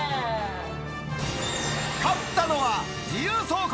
勝ったのは、自由走行